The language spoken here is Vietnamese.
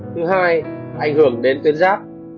thứ hai ảnh hưởng đến tuyến rác